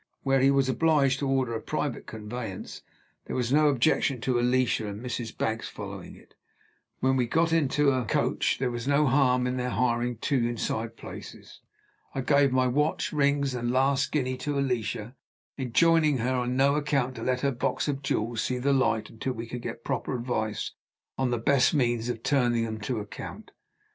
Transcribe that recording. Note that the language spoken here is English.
Where he was obliged to order a private conveyance, there was no objection to Alicia and Mrs. Baggs following it. Where we got into a coach, there was no harm in their hiring two inside places. I gave my watch, rings, and last guinea to Alicia, enjoining her, on no account, to let her box of jewels see the light until we could get proper advice on the best means of turning them to account.